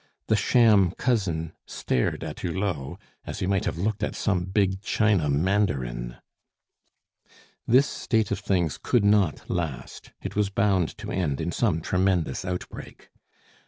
The sham cousin stared at Hulot as he might have looked at some big China mandarin. This state of things could not last; it was bound to end in some tremendous outbreak.